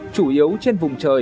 chủ yếu trên vùng trời ven hà nội